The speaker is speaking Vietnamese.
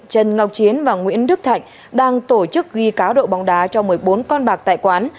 trần ngọc chiến và nguyễn đức thạnh đang tổ chức ghi cá độ bóng đá cho một mươi bốn con bạc tại quán